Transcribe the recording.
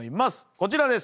こちらです。